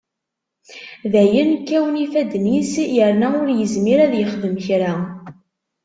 Dayen kkawen yifadden-is yerna ur yezmir ad yexdem kra.